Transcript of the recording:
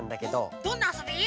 どんなあそび？